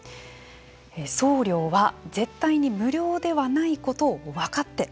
送料は絶対に無料ではないことを分かって。